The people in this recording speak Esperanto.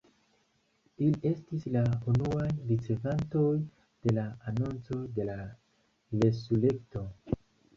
Ili estis la unuaj ricevantoj de la anonco de la resurekto.